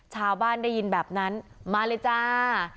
ชาวบ้านได้ยินแบบนั้นมาเลยจ้า